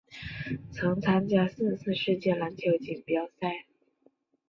曾参加四次世界篮球锦标赛。